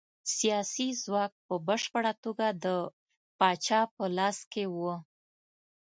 سیاسي ځواک په بشپړه توګه د پاچا په لاس کې و.